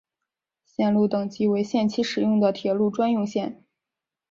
线路等级为限期使用的铁路专用线。